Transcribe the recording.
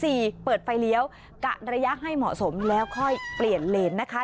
เปิดไฟเลี้ยวกะระยะให้เหมาะสมแล้วค่อยเปลี่ยนเลนนะคะ